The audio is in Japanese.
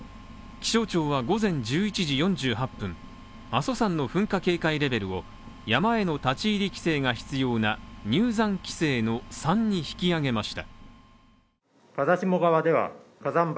気象庁は午前１１時４８分、阿蘇山の噴火警戒レベルを、山への立ち入り規制が必要な入山規制の３に引き上げました。